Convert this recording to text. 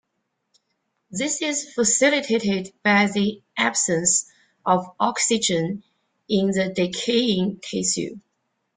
This is facilitated by the absence of oxygen in the decaying tissue.